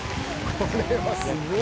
これはすごい。